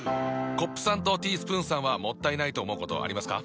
コップさんとティースプーンさんはもったいないと思うことありますか？